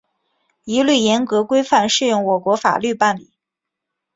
一律严格、规范适用我国法律办理